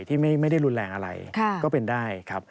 ที่ไม่ได้รุนแรงอะไรก็เป็นได้ครับ